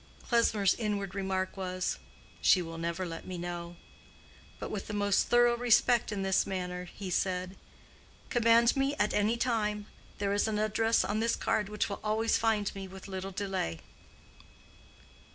Klesmer's inward remark was, "She will never let me know." But with the most thorough respect in his manner, he said, "Command me at any time. There is an address on this card which will always find me with little delay."